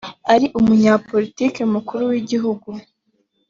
ari umunyapolitiki mukuru w igihugu